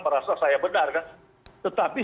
merasa saya benar tetapi